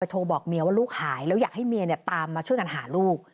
โทรบอกเมียว่าลูกหายแล้วอยากให้เมียตามมาช่วยกันหาลูก